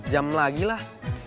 empat jam lagi lah